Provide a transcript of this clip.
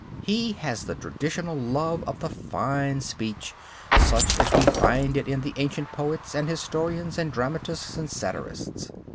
He has the traditional love of the fine speech such as we find it in the ancient poets and historians and dramatists and satirists.